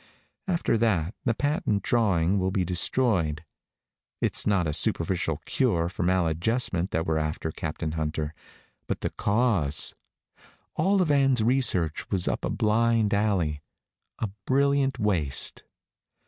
After that the patent drawings will be destroyed. It's not a superficial cure for maladjustment that we're after, Captain Hunter, but the cause. All of Ann's research was up a blind alley a brilliant waste."